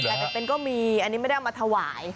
ไปเป็นก็มีอันนี้ไม่ได้เอามาถวาย